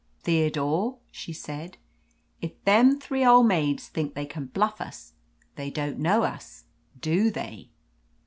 "Theodore," she said, "if them three old maids think they can bluff us, they don't know us, do they?"